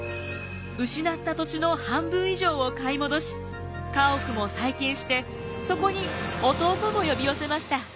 失った土地の半分以上を買い戻し家屋も再建してそこに弟も呼び寄せました。